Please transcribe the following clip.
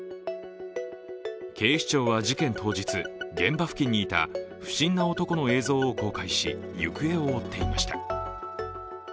警視庁は事件当日、現場付近にいた不審な男の映像を公開し行方を追っていました。